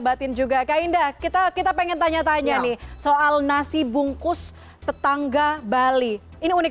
batin juga kak indah kita kita pengen tanya tanya nih soal nasi bungkus tetangga bali ini unik